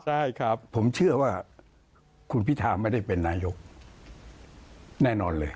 ใช่ครับผมเชื่อว่าคุณพิธาไม่ได้เป็นนายกแน่นอนเลย